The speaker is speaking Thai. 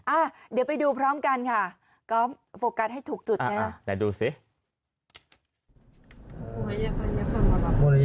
อ่าเดี๋ยวไปดูพร้อมกันค่ะก๊อฟโฟกัสให้ถูกจุดเนี่ย